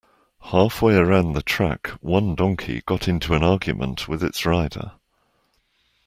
Halfway around the track one donkey got into an argument with its rider.